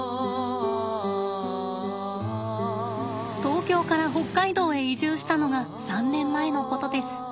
東京から北海道へ移住したのが３年前のことです。